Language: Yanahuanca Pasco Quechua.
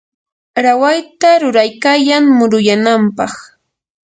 rawayta ruraykayan muruyanampaq.